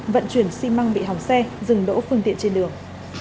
vận chuyển xi măng bị hỏng xe dừng đỗ phương tiện trên đường